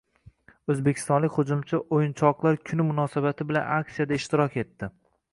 O‘zbekistonlik hujumchi O‘yinchoqlar kuni munosabati bilan aksiyada ishtirok etdi